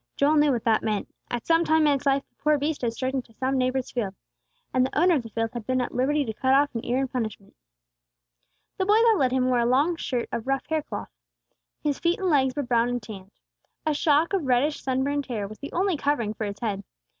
Joel knew what that meant. At some time in its life the poor beast had strayed into some neighbor's field, and the owner of the field had been at liberty to cut off an ear in punishment. The boy that led him wore a long shirt of rough hair cloth. His feet and legs were brown and tanned. A shock of reddish sunburned hair was the only covering for his head.